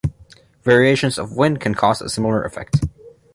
Variations of wind can cause a similar effect.